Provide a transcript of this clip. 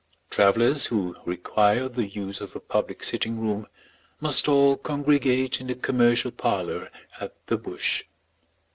Travellers who require the use of a public sitting room must all congregate in the commercial parlour at the Bush.